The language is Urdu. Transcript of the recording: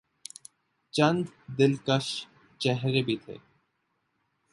چند دلکش چہرے بھی تھے۔